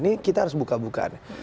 ini kita harus buka bukaan